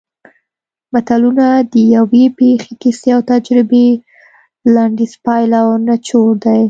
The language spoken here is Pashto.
متلونه د یوې پېښې کیسې او تجربې لنډیز پایله او نچوړ دی